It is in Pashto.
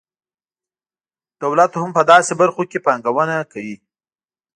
دولت هم په داسې برخو کې پانګونه کوي.